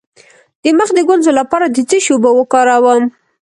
د مخ د ګونځو لپاره د څه شي اوبه وکاروم؟